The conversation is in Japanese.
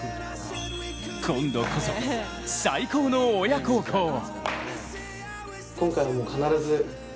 今度こそ、最高の親孝行を。